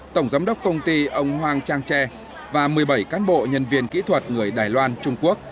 tổng giám đốc công ty ông hoàng trang tre và một mươi bảy cán bộ nhân viên kỹ thuật người đài loan trung quốc